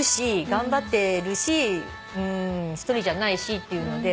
頑張ってるし一人じゃないしっていうので。